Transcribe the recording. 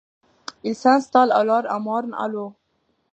Il s'installe alors à Morne-à-l'Eau.